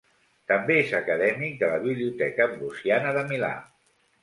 També és acadèmic de la Biblioteca Ambrosiana de Milà.